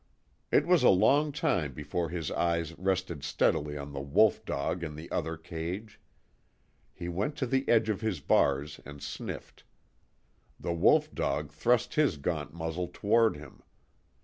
It was a long time before his eyes rested steadily on the wolf dog in the other cage. He went to the edge of his bars and sniffed. The wolf dog thrust his gaunt muzzle toward him.